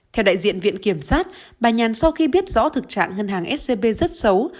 theo đại diện viện kiểm sát bà nhàn sau khi biết rõ thực trạng ngân hàng scb rất xấu